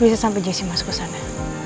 bisa sampe jessy masuk ke sana